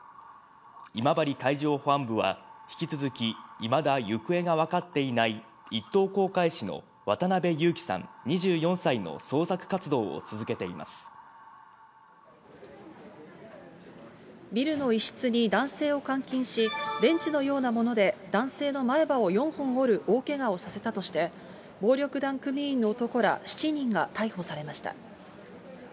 今治海上保安部は、引き続き、いまだ行方が分かっていない１等航海士の渡辺ゆうきさん２４歳のビルの一室に男性を監禁し、レンチのようなもので男性の前歯を４本折る大けがをさせたとして、暴力団組員の男ら７人が逮捕されました。